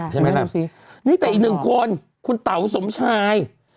ใช่ไหมล่ะนี่แต่อีกหนึ่งคนคุณเต๋าสมชาย